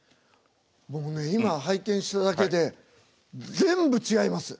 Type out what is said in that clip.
僕ね今拝見しただけで全部違います。